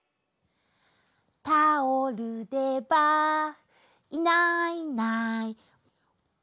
「タオルでバァいないいないバァ」